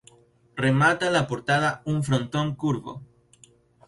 Remata la portada un frontón curvo.